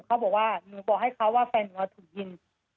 เขาบอกว่าหนูบอกให้เขาว่าแฟนหนูถูกยิง